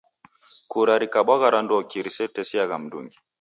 Kura rikabwaa randoki risetesiaa mndungi?